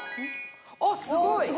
あっすごい！